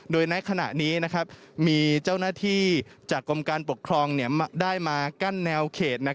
โดยในขณะนี้มีเจ้าหน้าที่จากกรมการปกครองได้มากั้นแนวเขต